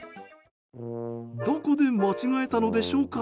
どこで間違えたのでしょうか？